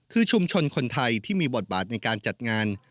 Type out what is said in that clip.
คือชุมชนคนไทยที่มีบทบาทในการจัดงาน